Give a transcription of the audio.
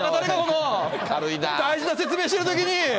大事な説明してるときに。